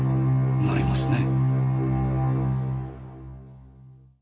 なりますね。